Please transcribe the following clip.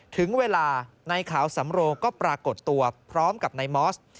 ถึงเวลาในขาวสำโรก็ปรากฏตัวพร้อมกับนายมอส